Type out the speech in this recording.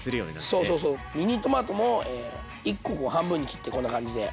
そうそうそうミニトマトも１コ半分に切ってこんな感じで。